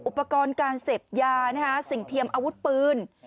อุปกรณ์การเสพยาสิ่งเทียมอาวุธปืน